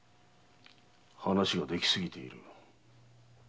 話ができすぎている。